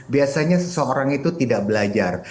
biasanya seseorang itu tidak belajar